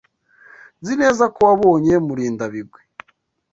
Nzi neza ko wabonye Murindabigwi.